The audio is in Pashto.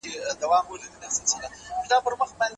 د ازموینې وینه زاړه او نوي کرویات لري.